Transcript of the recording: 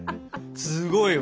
すごいわ。